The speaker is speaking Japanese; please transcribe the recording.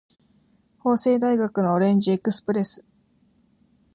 法政大学のオレンジエクスプレス